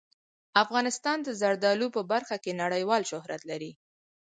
افغانستان د زردالو په برخه کې نړیوال شهرت لري.